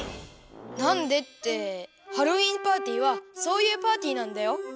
なんでってハロウィーンパーティーはそういうパーティーなんだよ。